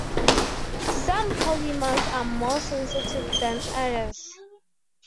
Some polymers are more sensitive than others.